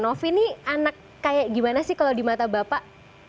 novi ini anak kayak gimana sih kalau di mata bapak